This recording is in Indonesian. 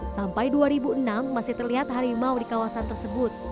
sampai dua ribu enam masih terlihat harimau di kawasan tersebut